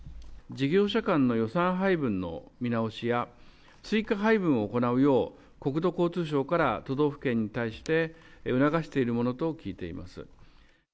事業者間の予算配分の見直しや、追加配分を行うよう、国土交通省から都道府県に対して、促しているものと聞いています。